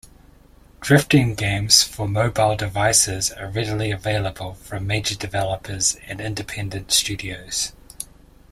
Drifting games for mobile devices are readily available from major developers and independent studios.